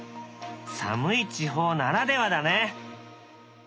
寒い地方ならではだね。